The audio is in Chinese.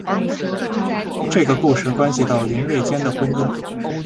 这个故事关系到林瑞间的婚姻。